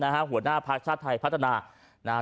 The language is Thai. หัวหน้าภาคชาติไทยพัฒนา